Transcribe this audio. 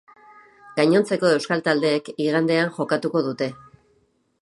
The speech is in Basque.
Gainontzeko euskal taldeek igandean jokatuko dute.